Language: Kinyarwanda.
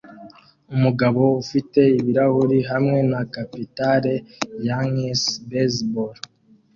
Umugabo ufite ibirahuri hamwe na capitale ya yankees baseball